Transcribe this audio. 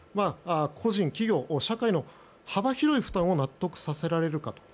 個人、企業、社会の幅広い負担を納得させられるかと。